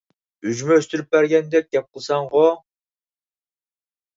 ئۈجمە ئۈستۈرۈپ بەرگەندەك گەپ قىلىسەنغۇ؟ !